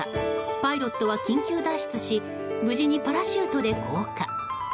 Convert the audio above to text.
パイロットは緊急脱出し無事にパラシュートで降下。